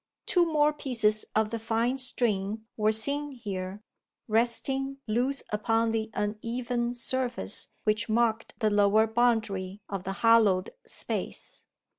Two more pieces of the fine string were seen here, resting loose upon the uneven surface which marked the lower boundary of the hollowed space.